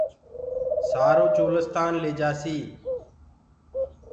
سآرو چولستآن ليجآسي